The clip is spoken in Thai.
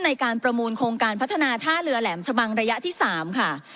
ในการประมูลโครงการพัฒนาท่าเรือแหลมชะบังระยะที่๓ค่ะ